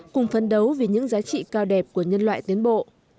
cùng phấn đấu vì những giá trị cao đẹp của nhân loại tiến bộ